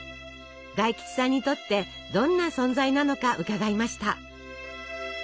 大吉さんにとってどんな存在なのか伺いました。